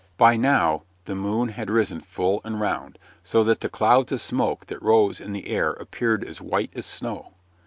By now the moon had risen full and round, so that the clouds of smoke that rose in the air appeared as white as snow.